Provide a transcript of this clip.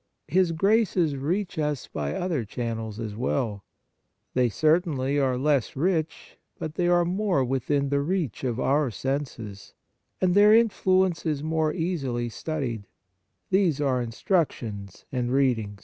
His graces reach us by other channels as well ; they certainly are less rich, but they are more within the reach of our senses, and their influence is more easily studied : these are instructions and reading.